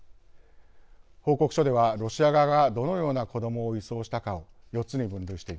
報告書ではロシア側がどのような子どもを移送したかを４つに分類しています。